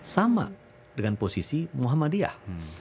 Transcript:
sama dengan posisi muhammadiyah